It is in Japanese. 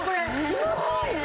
気持ちいいね。